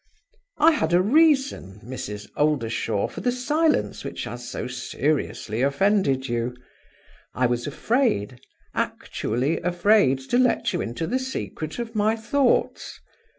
"I had a reason, Mrs. Oldershaw, for the silence which has so seriously offended you. I was afraid actually afraid to let you into the secret of my thoughts.